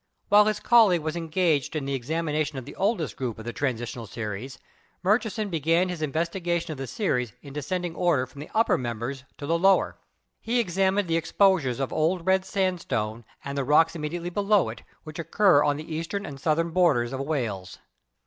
While his colleague was engaged in the examination of the oldest group of the Transitional series Murchison began his investigation of the series in de scending order from the upper members to the lower. He MODERN DEVELOPMENT 75 examined the exposures of Old Red Sandstone and the rocks immediately below it, which occur on the eastern and southern borders of Wales.